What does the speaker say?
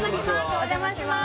お邪魔します